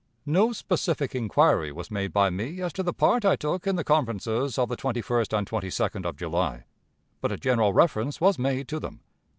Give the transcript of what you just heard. No specific inquiry was made by me as to the part I took in the conferences of the 21st and 22d of July, but a general reference was made to them.